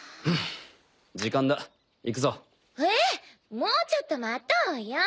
もうちょっと待とうよ。